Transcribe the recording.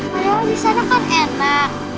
padahal disana kan enak